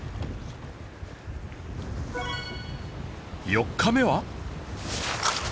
４日目は。